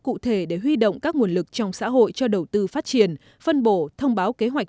cụ thể để huy động các nguồn lực trong xã hội cho đầu tư phát triển phân bổ thông báo kế hoạch